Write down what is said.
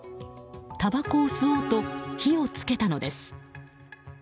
たばこを吸おうと火を付けたのです。